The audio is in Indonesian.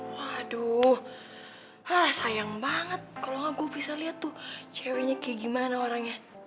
waduh ah sayang banget kalau gak gue bisa lihat tuh ceweknya kayak gimana orangnya